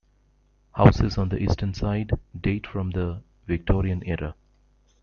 Houses on the eastern side date from the Victorian era.